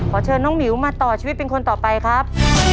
เชิญน้องหมิวมาต่อชีวิตเป็นคนต่อไปครับ